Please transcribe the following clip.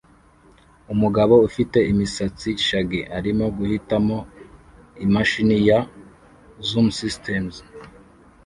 Umugabo ufite imisatsi-shaggy arimo guhitamo imashini ya zoomsystems